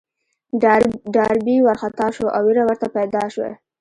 ډاربي وارخطا شو او وېره ورته پيدا شوه.